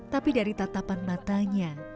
tapi dari tatapan matanya